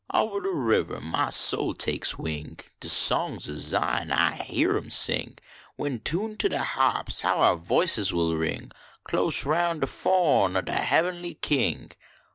Ober de ribber my soul takes wing, De songs ob Zion I hyar em sing ; When tuned to de harps how our voices will ring Close roun de frone ob de Hebenly King.